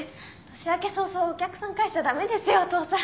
年明け早々お客さん返しちゃ駄目ですよお父さん。